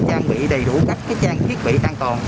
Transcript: trang bị đầy đủ các trang thiết bị an toàn